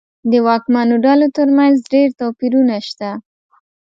د واکمنو ډلو ترمنځ ډېر توپیرونه شته.